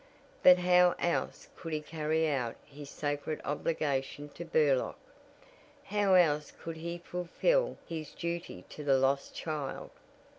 But how else could he carry out his sacred obligation to Burlock? How else could he fulfill his duty to the lost child?